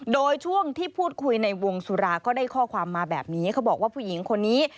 โดยช่วงที่พูดคุยในวงสุราก็ได้ข้อความมาแบบนี้เขาบอกว่าผู้หญิงคนนี้